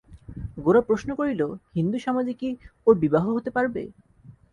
গোরা প্রশ্ন করিল, হিন্দুসমাজে কি ওঁর বিবাহ হতে পারবে?